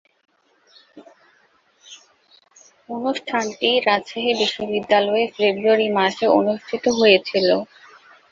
অনুষ্ঠানটি রাজশাহী বিশ্বনিদ্যালয়ে ফেব্রুয়ারি মাসে অনুষ্ঠিত হয়েছিলো।